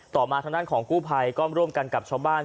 มาทางด้านของกู้ภัยก็ร่วมกันกับชาวบ้าน